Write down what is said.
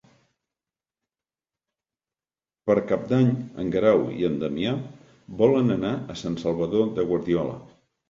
Per Cap d'Any en Guerau i en Damià volen anar a Sant Salvador de Guardiola.